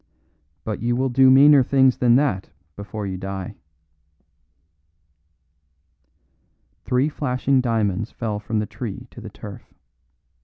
But you will do meaner things than that before you die." Three flashing diamonds fell from the tree to the turf.